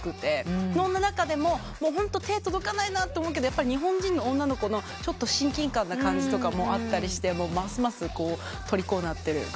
そんな中でもホント手届かないなと思うけどやっぱり日本人の女の子の親近感な感じとかあったりしてますますとりこになってるグループです。